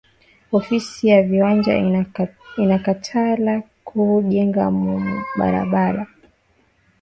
Ofisi ya viwanja ina katala ku jenga mu ma balala